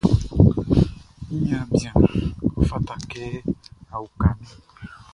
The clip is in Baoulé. Mi niaan bian, ɔ fata kɛ a uka min.